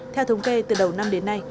theo thống kê từ đầu năm đến nay